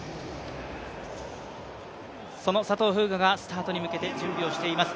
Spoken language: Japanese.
その佐藤風雅がスタートに向けて準備しています。